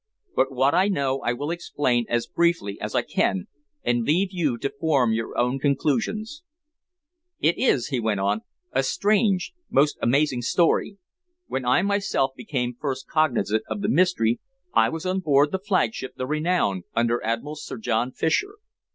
But what I know I will explain as briefly as I can, and leave you to form your own conclusions. It is," he went on, "a strange most amazing story. When I myself became first cognizant of the mystery I was on board the flagship the Renown, under Admiral Sir John Fisher.